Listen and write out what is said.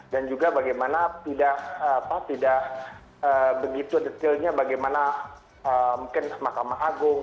dan juga bagaimana tidak begitu detailnya bagaimana mungkin mahkamah agung